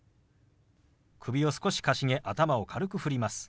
首を少しかしげ頭を軽く振ります。